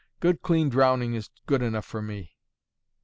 Good clean drowning is good enough for me."